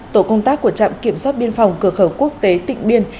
tổ công tác của trạm kiểm soát biên phòng cửa khẩu quốc tế tịnh biên